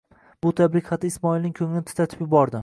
Bu tabrik xati Ismoilning ko'nglini titratib yubordi.